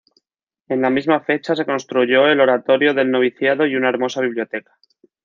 En la misma fecha se construyó el oratorio del noviciado y una hermosa biblioteca.